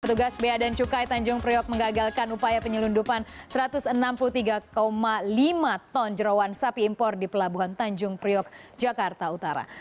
petugas bea dan cukai tanjung priok mengagalkan upaya penyelundupan satu ratus enam puluh tiga lima ton jerawan sapi impor di pelabuhan tanjung priok jakarta utara